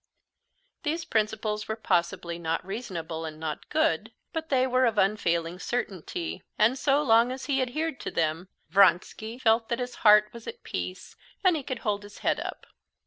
These principles were possibly not reasonable and not good, but they were of unfailing certainty, and so long as he adhered to them, Vronsky felt that his heart was at peace and he could hold his head up.